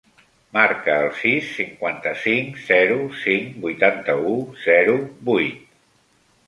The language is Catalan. Marca el sis, cinquanta-cinc, zero, cinc, vuitanta-u, zero, vuit.